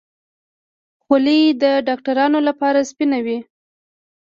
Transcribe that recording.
خولۍ د ډاکترانو لپاره سپینه وي.